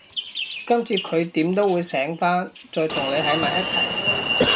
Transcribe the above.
今次佢點都會醒返，再同你喺埋一齊